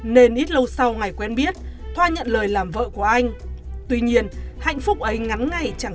nên ít lâu sau ngày quen biết thoa nhận lời làm vợ của anh tuy nhiên hạnh phúc ấy ngắn ngày chẳng